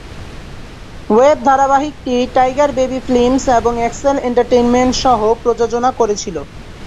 Web ধারাবাহিকটি Tiger Baby Films এবং Excel Entertainment সহ-প্রযোজনা করেছিল।